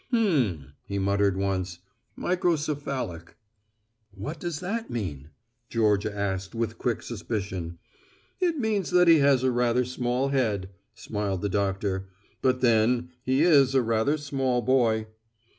"Hmm," he muttered once, "microcephalic." "What does that mean?" Georgia asked with quick suspicion. "It means that he has a rather small head," smiled the doctor, "but then he is a rather small boy."